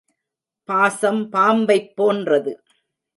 பாசம் பாம்பைப் போன்றது.